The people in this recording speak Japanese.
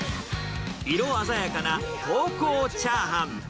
色鮮やかな東光チャーハン。